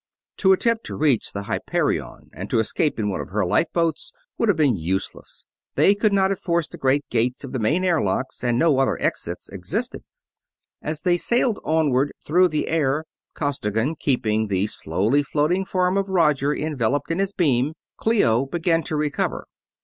To attempt to reach the Hyperion and to escape in one of her lifeboats would have been useless; they could not have forced the great gates of the main airlocks and no other exits existed. As they sailed onward through the air, Costigan keeping the slowly floating form of Roger enveloped in his beam, Clio began to recover.